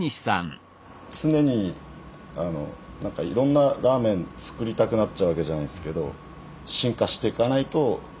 常に何かいろんなラーメン作りたくなっちゃうわけじゃないですけど。